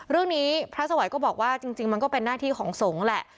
เรื่องนี้พระสวัยก็บอกว่าจริงมันก็เป็นหน้าที่ของสงฆ์แหละ